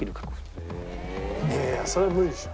いやいやそれは無理でしょ。